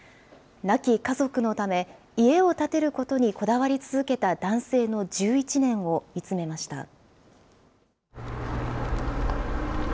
亡き家族のため、家を建てることにこだわり続けた男性の１１年を見つめました。